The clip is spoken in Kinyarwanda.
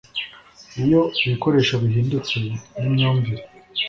iyo ibikoresho bihindutse n'imyumvire